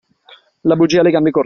La bugia ha le gambe corte.